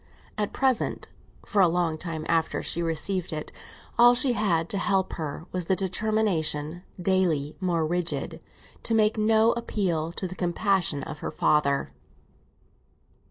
At present, for a long time after she received it, all she had to help her was the determination, daily more rigid, to make no appeal to the compassion of her father.